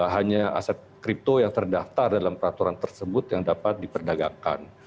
hanya aset kripto yang terdaftar dalam peraturan tersebut yang dapat diperdagangkan